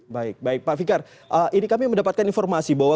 baik baik pak fikar ini kami mendapatkan informasi bahwa